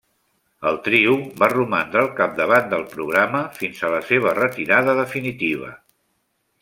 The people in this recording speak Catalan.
El trio va romandre al capdavant del programa fins a la seva retirada definitiva.